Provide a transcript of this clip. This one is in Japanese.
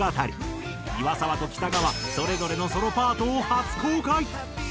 岩沢と北川それぞれのソロパートを初公開。